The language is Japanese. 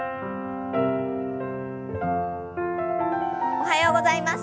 おはようございます。